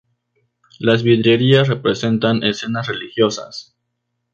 Las vidrieras representan escenas religiosas.